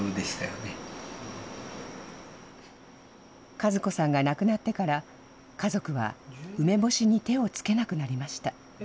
佳津子さんが亡くなってから、家族は梅干しに手をつけなくなりました。